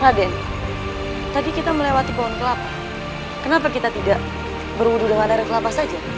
raden tadi kita melewati pohon kelapa kenapa kita tidak berwudu dengan air kelapa saja